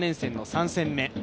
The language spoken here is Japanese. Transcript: ３戦目。